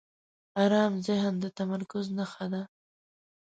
آرام ذهن د تمرکز نښه ده.